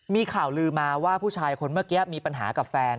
มีข่าวลือมาว่าผู้ชายคนเมื่อกี้มีปัญหากับแฟน